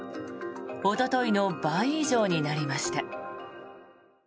おとといの倍以上になりました。